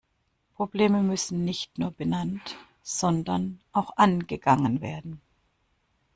Probleme müssen nicht nur benannt, sondern auch angegangen werden.